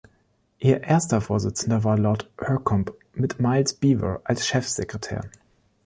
Ihr erster Vorsitzender war Lord Hurcomb mit Miles Beevor als Chefsekretär.